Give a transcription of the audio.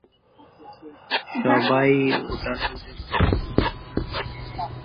সবাই, ওঠানোর জন্য প্রস্তুত থাকো।